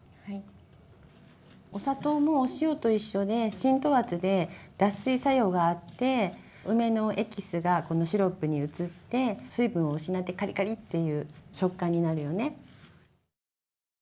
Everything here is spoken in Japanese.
お砂糖もお塩と一緒で浸透圧で脱水作用があって梅のエキスがこのシロップに移って水分を失ってカリカリっていう食感になるよね。